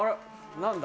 何だ？